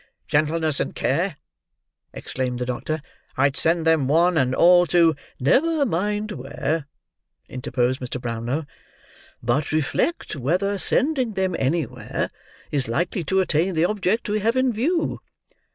"Gentleness and care," exclaimed the doctor. "I'd send them one and all to—" "Never mind where," interposed Mr. Brownlow. "But reflect whether sending them anywhere is likely to attain the object we have in view."